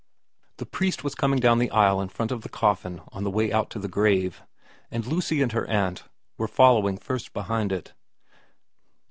The priest was coming down the aisle in front of the coffin on the way out to the grave, and Lucy and her aunt were following first behind it.